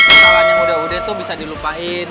kesalahan yang udah udah tuh bisa dilupain